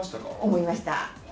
思いました。